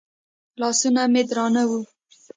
لاسونه مې درانه وو.